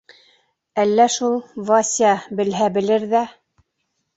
— Әллә шул, Вася, белһә белер ҙә.